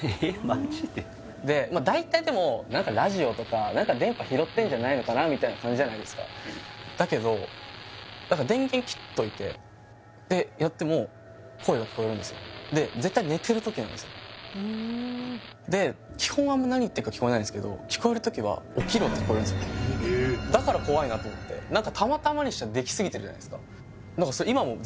で大体でも何かラジオとか何か電波拾ってんじゃないのかなみたいな感じじゃないですかだけど電源切っといてでやっても声が聞こえるんですよで絶対寝てる時なんですよで基本はあんま何言ってるか聞こえないんですけど聞こえる時は「起きろ」って聞こえるんですよだから怖いなと思って何かたまたまにしちゃできすぎてるじゃないっすか